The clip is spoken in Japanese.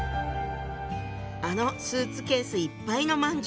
あのスーツケースいっぱいの饅頭。